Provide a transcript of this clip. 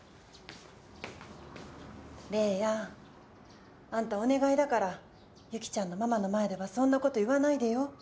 玲矢あんたお願いだからユキちゃんのママの前ではそんなこと言わないでよ。